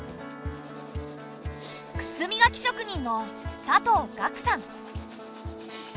靴磨き職人の佐藤我久さん。